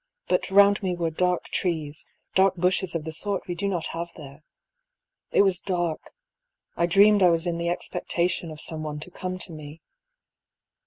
But round me were dark trees, dark bushes of the sort we do not have there. It was dark. I dreamed I was in the expectation of some one to come to me.